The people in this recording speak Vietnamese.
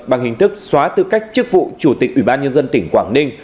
bằng hình thức xóa tư cách chức vụ chủ tịch ủy ban nhân dân tỉnh quảng ninh